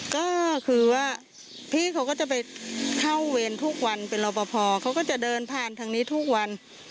ก็คือว่าพี่เขาก็จะไปเข้าเวรทุกวันเป็นรอปภเขาก็จะเดินผ่านทางนี้ทุกวัน